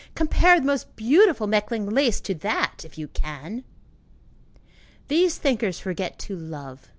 Compare the most beautiful Mechlin lace to that if you can! These thinkers forget to love.